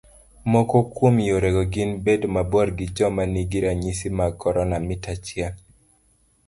Moko kuom yorego gin, bedo mabor gi joma nigi ranyisi mag corona mita achiel